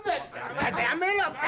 ちょっとやめろって！